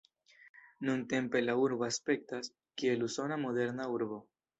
Nuntempe la urbo aspektas, kiel usona moderna urbo.